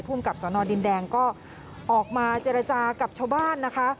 กับสนดินแดงก็ออกมาเจรจากับชาวบ้านนะคะ